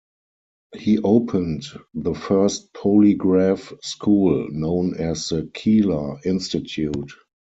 He opened the first polygraph school, known as the 'Keeler Institute.